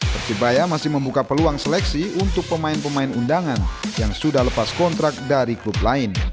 persebaya masih membuka peluang seleksi untuk pemain pemain undangan yang sudah lepas kontrak dari klub lain